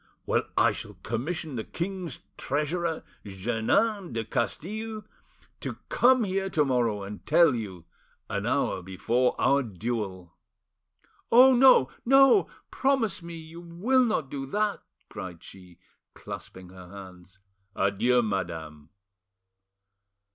Well, I shall commission the king's treasurer, Jeannin de Castille, to come here to morrow and tell you, an hour before our duel." "Oh no! no! Promise me you will not do that!" cried she, clasping her hands. "Adieu, madame."